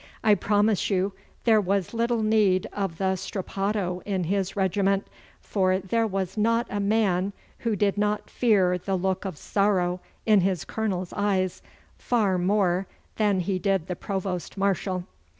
I promise you there was little need of the strapado in his regiment, for there was not a man who did not fear the look of sorrow in his Colonel's eyes far more than he did the provost marshal.